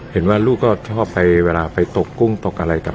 เห็นว่าลูกก็ชอบไปเวลาไปตกกุ้งตกอะไรกับ